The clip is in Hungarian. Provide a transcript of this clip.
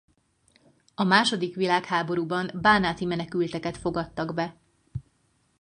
A második világháborúban bánáti menekülteket fogadtak be.